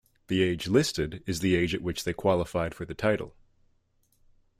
The age listed is the age at which they qualified for the title.